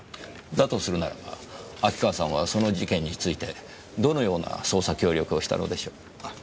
だとするならば秋川さんはその事件についてどのような捜査協力をしたのでしょう？